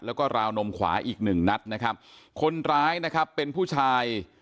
แล้วก็ราวนมขวาอีกหนึ่งนัดนะครับคนร้ายนะครับเป็นผู้ชาย